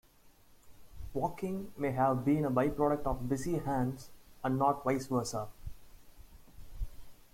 Walking may have been a by-product of busy hands and not vice versa.